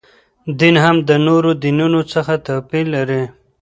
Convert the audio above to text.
دین هم د نورو دینونو څخه توپیر لري.